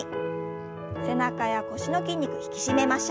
背中や腰の筋肉引き締めましょう。